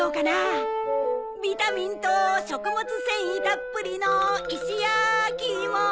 ビタミンと食物繊維たっぷりの石焼き芋！